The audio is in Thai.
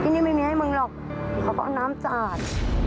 ที่นี่ไม่มีให้มึงหรอกเค้าก็เอาน้ำสะอาด